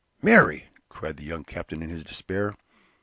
"Mary!" cried the young captain in his despair.